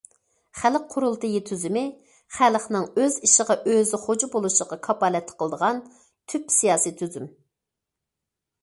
خەلق قۇرۇلتىيى تۈزۈمى خەلقنىڭ ئۆز ئىشىغا ئۆزى خوجا بولۇشىغا كاپالەتلىك قىلىدىغان تۈپ سىياسىي تۈزۈم.